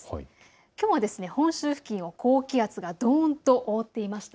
きょうは本州付近を高気圧がどーんと覆っていました。